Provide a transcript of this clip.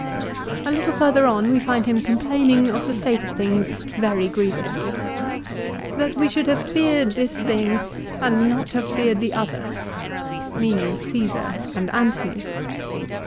A little further on l we find him complaining of the state of things very grievously. " That we should have feared this thing, and not have feared the other !" meaning Caesar and Antony.